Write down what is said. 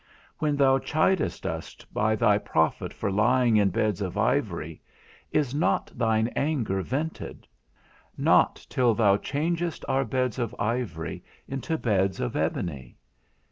When thou chidest us by thy prophet for lying in beds of ivory, is not thine anger vented; not till thou changest our beds of ivory into beds of ebony?